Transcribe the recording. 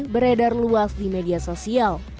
beredar luas di media sosial